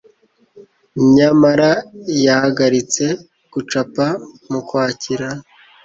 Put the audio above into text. nyamara yahagaritse gucapa mu Kwakira